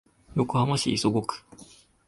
横浜市磯子区